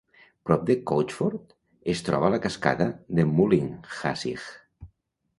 Prop de Coachford es troba la cascada de Mullinhassig.